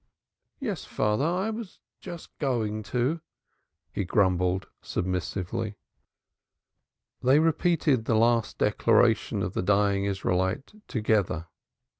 "Yes, father, I was just going to," he grumbled, submissively. They repeated the last declaration of the dying Israelite together.